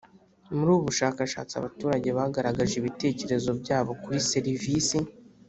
Muri ubu bushakashatsi abaturage bagaragaje ibitekerezo byabo kuri serivisi